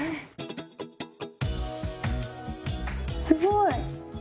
すごい！